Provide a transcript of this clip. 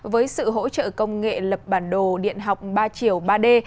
với sự hỗ trợ công nghệ lập bản đồ điện học ba chiều ba d